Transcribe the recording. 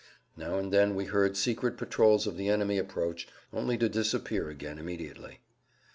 Now and then we heard secret patrols of the enemy approach, only to disappear again immediately.